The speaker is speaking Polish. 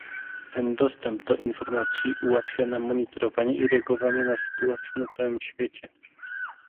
Ten dostęp do informacji ułatwia nam monitorowanie i reagowanie na sytuacje na całym świecie